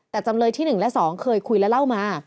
แต่จำเลยที่๑และ๒เคยคุยและเล่ามา